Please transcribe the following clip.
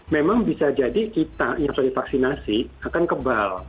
memang bisa jadi kita yang sudah divaksinasi akan kebal